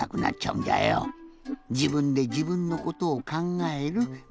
じぶんでじぶんのことをかんがえるみたいなかんじ？